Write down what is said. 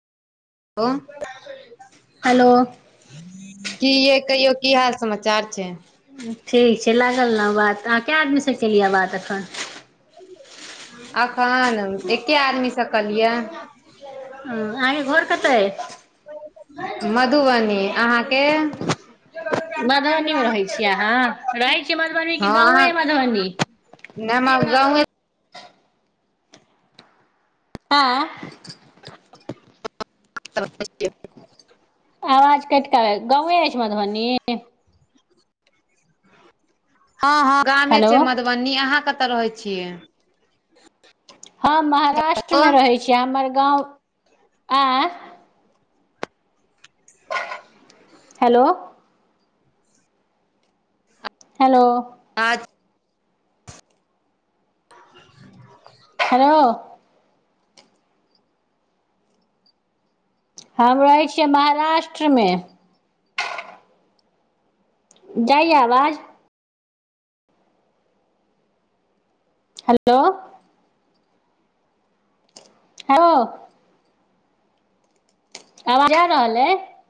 ओ hello की यइ कहियो की हाल समाचार छै ठीक छै लागल ने बात अहाँ के आदमी सँ केेलियै बात एखन एखन एके आदमी सँ कलियै हँ अहाँ के घोर कता अय मधुबनी अहाँके [inaudible] हँ मधुबनी मे रहै छियै अहाँ रहै छियै मधुबनी कि अहाँ गाँवे मधुबनी क [unintelligible] हमर गावये आँए [inaudible] आवाज कैट क आ गाँवे ऐछ मधुबनी हँ हँ गामे हेलो छिये मधुबनी बनी अहाँ कतऽ रहै छियै हम महाराष्ट्र में हेलो रहैत छिये हमर गाँव आँय हेलो हेलो अच [inaudible] हेलो हम रहै छियै महाराष्ट्र में जाइये आवाज हेलो हाँ आवाज जा रहल अय